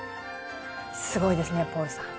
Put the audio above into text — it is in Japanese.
すごいですねポールさん。